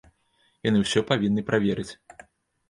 Яны ўсё павінны праверыць.